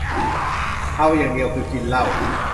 เอาอย่างเดียวคือ กินเหล้า